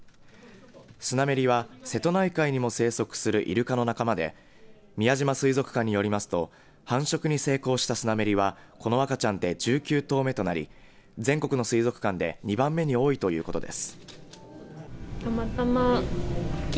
スナメリは瀬戸内海にも生息するイルカの仲間で宮島水族館によりますと繁殖に成功したスナメリはこの赤ちゃんで１９頭目となり全国の水族館で２番目に多いということです。